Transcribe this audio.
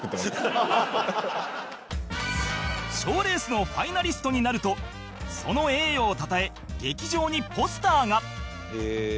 賞レースのファイナリストになるとその栄誉をたたえ劇場にポスターが